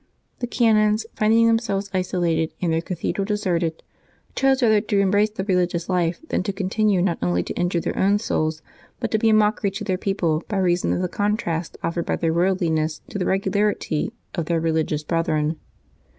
The canons, finding themselves isolated and their cathedral deserted, chose rather to embrace the religious life than to continue not only to injure their o^ti souls, but to be a mockery to their people by reason of the con trast offered by their worldliness to the regularity of their religious brethren.